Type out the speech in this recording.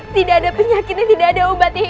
tidak ada penyakitnya tidak ada obatnya ibu nda